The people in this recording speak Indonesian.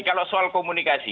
kalau soal komunikasi